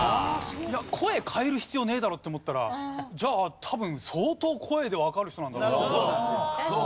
声変える必要ねえだろって思ったらじゃあ多分相当声でわかる人なんだろうなって。